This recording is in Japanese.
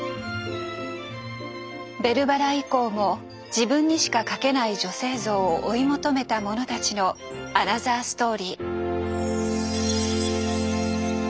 「ベルばら」以降も自分にしか描けない女性像を追い求めた者たちのアナザーストーリー。